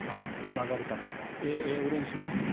曲がる球を練習していた。